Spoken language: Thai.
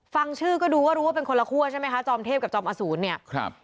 ฟังชื่อก็ดูว่ารู้ว่าเป็นคนละคั่วใช่ไหมคะจอมเทพกับจอมอสูรเนี่ยครับ